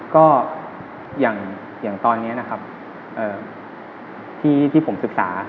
ก็อย่างตอนนี้นะครับที่ผมศึกษา